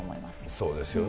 そうですよね。